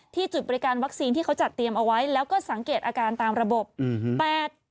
จุดบริการวัคซีนที่เขาจัดเตรียมเอาไว้แล้วก็สังเกตอาการตามระบบอืม